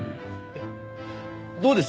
どうです？